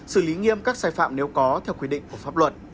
xử lý nghiêm các sai phạm nếu có theo quy định của pháp luật